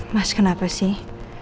mas kenapa sih